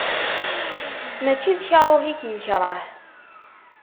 Mačči d karuh i k-ikreh.